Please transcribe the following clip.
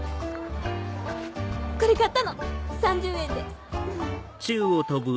これ買ったの３０円でウフフ！